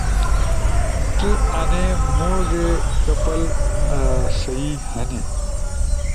کی آنے موڙے کپل سہی ہنے؟